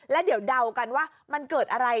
แล้วเดี๋ยวเดากันว่ามันเกิดอะไร